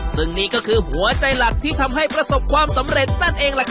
ซึ่งนี่ก็คือหัวใจหลักที่ทำให้ประสบความสำเร็จนั่นเองล่ะครับ